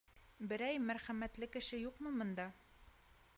— Берәй мәрхәмәтле кеше юҡмы бында?